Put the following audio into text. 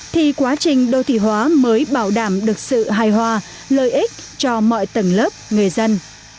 thì quá trình đô thị hóa mới bảo đảm được sự hài hòa lợi ích cho mọi tầng lớp người dân